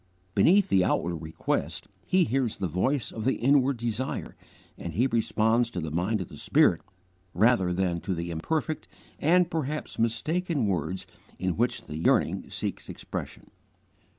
Beneath the outward request He hears the voice of the inward desire, and He responds to the mind of the Spirit rather than to the imperfect and perhaps mistaken words in which the yearning seeks expression.